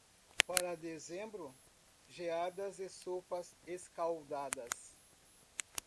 Para dezembro, geadas e sopas escaldadas.